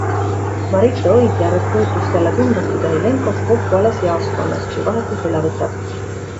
Marite Oidjärv puutus talle tundmatu Danilenkoga kokku alles jaoskonnas, kui vahetuse üle võtab.